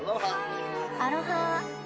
アロハ。